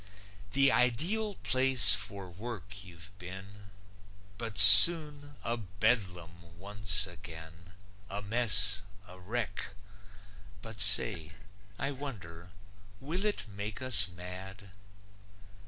The ideal place for work you've been, But soon a Bedlam once again, A mess, a wreck. But say, I wonder will it make us mad.